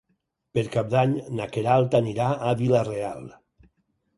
Per Cap d'Any na Queralt anirà a Vila-real.